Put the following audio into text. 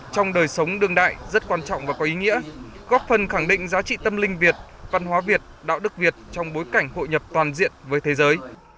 trong đời sống đương đại rất quan trọng và có ý nghĩa góp phần khẳng định giá trị tâm linh việt văn hóa việt đạo đức việt trong bối cảnh hội nhập toàn diện với thế giới